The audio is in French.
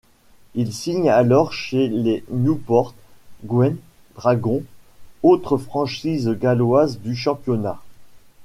Il signe alors chez les Newport Gwent Dragons, autre franchise galloise du championnat.